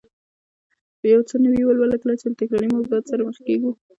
یو څه نوي ولولو، کله چې له تکراري موضوعاتو سره مخ کېږو